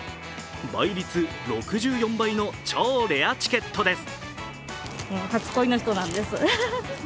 倍率６４倍の超レアチケットです。